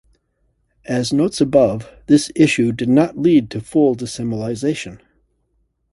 As notes above, this issue did not lead to full decimalization.